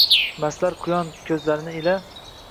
Mastlar quyon ko’zlari ila